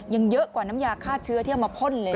เยอะกว่าน้ำยาฆ่าเชื้อที่เอามาพ่นเลย